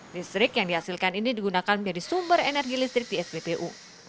listrik yang dihasilkan ini digunakan menjadi sumber energi listrik di spbu